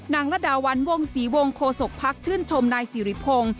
ระดาวันวงศรีวงโคศกพักชื่นชมนายสิริพงศ์